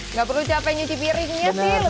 nggak perlu capek nyuci piringnya sih